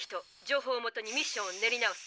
情報をもとにミッションを練り直す。